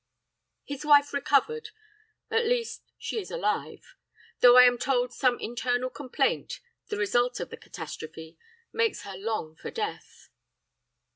"His wife recovered at least, she is alive though I am told some internal complaint the result of the catastrophe makes her long for death.